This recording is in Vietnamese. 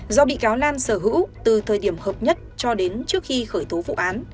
do bị cáo lan sở hữu từ thời điểm hợp nhất cho đến trước khi khởi tố vụ án